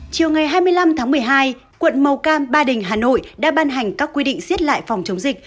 chiều ngày hai mươi năm tháng một mươi hai quận màu cam ba đình hà nội đã ban hành các quy định xiết lại phòng chống dịch